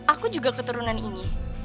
aku juga keturunan ini